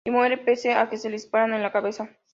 Y muere pese a que le disparan en la cabeza.